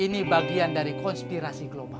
jadi ini bagian dari konspirasi global